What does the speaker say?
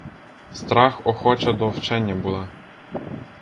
Страх охоча до вчення була!